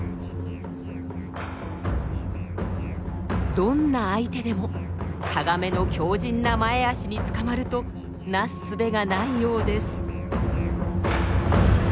どんな相手でもタガメの強靱な前足に捕まるとなす術がないようです。